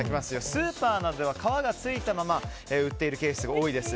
スーパーなどでは皮がついたまま売っているケースが多いです。